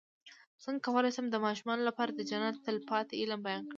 څنګه کولی شم د ماشومانو لپاره د جنت د تل پاتې علم بیان کړم